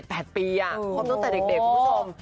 โอ้โห๗๘ปีอ่ะความรักตั้งแต่เด็กคุณผู้ชม